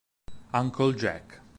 Uncle Jack